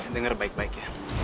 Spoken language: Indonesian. dengar baik baik ya